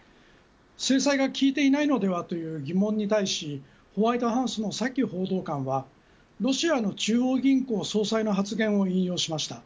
制裁が効いていないのではという疑問に対しホワイトハウスのサキ報道官はロシアの中央銀行総裁の発言を引用しました。